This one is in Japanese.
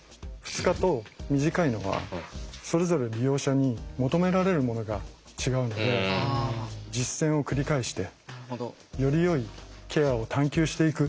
２日と短いのはそれぞれ利用者に求められるものが違うので実践を繰り返してよりよいケアを探求していく。